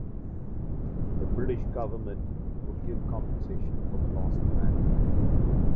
The British government would give compensation for the lost land.